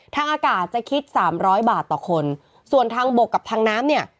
ทางอากาศจะคิดสามร้อยบาทต่อคนส่วนทางบกกับทางน้ำเนี่ย